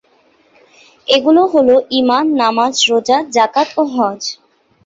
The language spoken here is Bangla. এগুলো হলো ঈমান, নামাজ, রোজা, যাকাত ও হজ্জ।